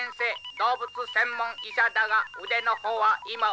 動物専門医者だが腕の方は今わかる。